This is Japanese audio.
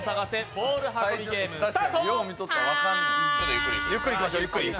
ボール運びゲーム」スタート